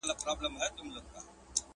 مګر زه خو قاتل نه یمه سلطان یم!.